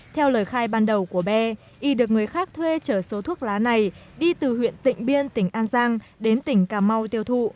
theo lời khai ban đầu của be y được người khác thuê chở số thuốc lá này đi từ huyện tỉnh biên tỉnh an giang đến tỉnh cà mau tiêu thụ